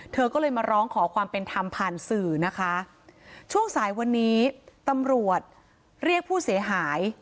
เธอก็เลยมาร้องขอความเป็นธรรมผ่านสื่อนะคะช่วงสายวันนี้ตำรวจเรียกผู้เสียหาย